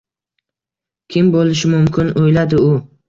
“Kim boʻlishi mumkin? – oʻyladi u.